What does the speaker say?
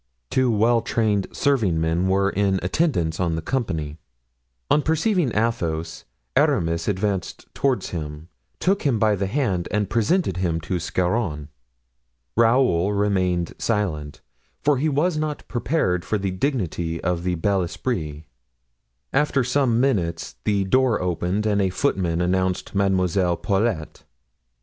Two well trained servingmen were in attendance on the company. On perceiving Athos, Aramis advanced toward him, took him by the hand and presented him to Scarron. Raoul remained silent, for he was not prepared for the dignity of the bel esprit. After some minutes the door opened and a footman announced Mademoiselle Paulet.